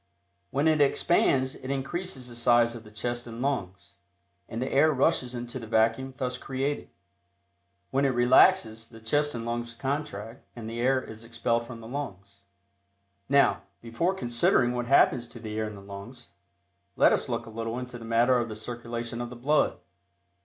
When it expands, it increases the size of the chest and lungs, and the air rushes into the vacuum thus created. When it relaxes the chest and lungs contract and the air is expelled from the lungs. Now, before considering what happens to the air in the lungs, let us look a little into the matter of the circulation of the blood.